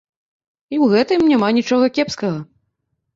І ў гэтым няма нічога кепскага.